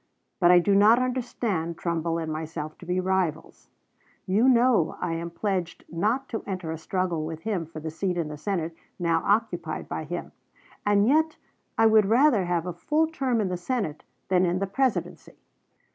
But I do not understand Trumbull and myself to be rivals. You know I am pledged not to enter a struggle with him for the seat in the Senate now occupied by him; and yet I would rather have a full term in the Senate than in the Presidency."